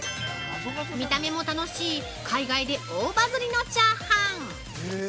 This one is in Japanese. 見た目も楽しい「海外で大バズりのチャーハン」